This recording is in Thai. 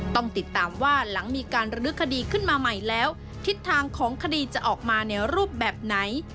ต้องติดตามว่าหลังมีการรื้อคดีขึ้นมาใหม่แล้วทิศทางของคดีจะออกมาในรูปแบบไหน